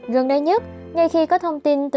gần đây nhất ngay khi có thông tin mình đã đặt vé